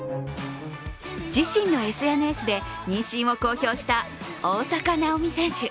自身のＳＮＳで妊娠を公表した大坂なおみ選手。